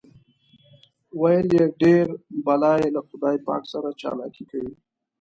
ویل یې ډېر بلا یې له خدای پاک سره چالاکي کوي.